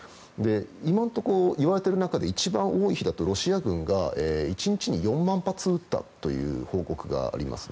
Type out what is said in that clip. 今のところ、言われている中で一番多い日だとロシア軍が１日に４万発撃ったという報告がありますね。